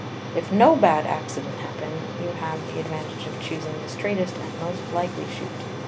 If no bad Accident happen, you have the advantage of chusing the straitest and most likely Shoot.